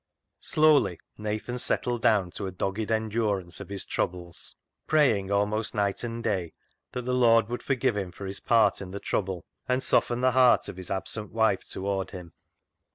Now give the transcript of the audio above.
Slowly Nathan settled down to a dogged endurance of his troubles, praying almost night and day that the Lord would forgive him for his part in the trouble, and soften the heart of his absent wife toward him.